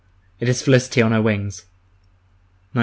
It is Felicity on her wings! 1912.